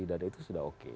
dan itu sudah oke